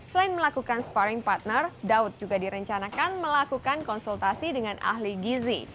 selain melakukan sparring partner daud juga direncanakan melakukan konsultasi dengan ahli gizi